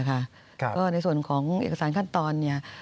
ก็ในส่วนของเอกสารขั้นตอนเนี่ย